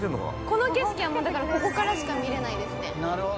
この景色はここからしか見えないですね。